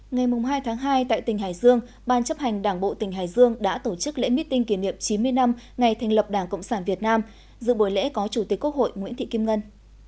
ngày hai tháng hai tại tỉnh hải dương ban chấp hành đảng bộ tỉnh hải dương đã tổ chức lễ meeting kỷ niệm chín mươi năm ngày thành lập đảng cộng sản việt nam dự buổi lễ có chủ tịch quốc hội nguyễn thị kim ngân